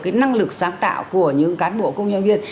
cái năng lực sáng tạo của những cán bộ công nhân viên